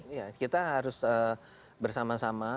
ya kita harus bersama sama